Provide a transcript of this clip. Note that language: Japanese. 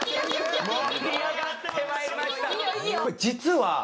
実は。